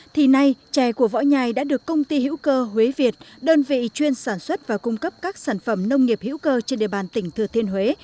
thì nay chè của võ nhài đã được công ty hữu cơ huế việt đơn vị chuyên sản xuất và cung cấp các sản phẩm nông nghiệp hữu cơ trên địa bàn tỉnh thừa thiên huế